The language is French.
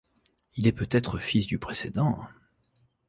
Il est peut-être fils du précédent.